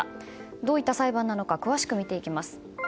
どういった裁判なのか詳しく見ていきます。